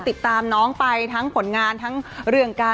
อ่าทางผู้ใหญ่ส่งมาให้ค่ะ